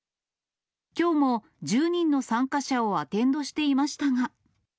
きょうも、１０人の参加者をアテンドしていましたが。